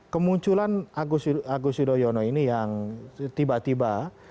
kemunculan agus yudhoyono ini yang tiba tiba